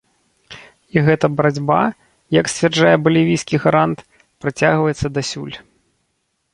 І гэта барацьба, як сцвярджае балівійскі гарант, працягваецца дасюль.